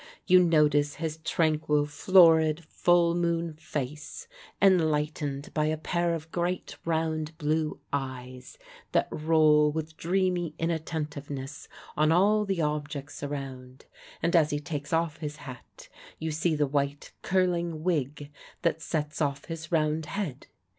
You notice his tranquil, florid, full moon face, enlightened by a pair of great round blue eyes, that roll with dreamy inattentiveness on all the objects around; and as he takes off his hat, you see the white curling wig that sets off his round head.